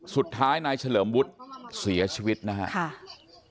สุดท้ายนายเฉลิมวุฒิเสียชีวิตนะครับ